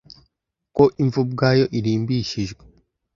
ko imva ubwayo irimbishijwe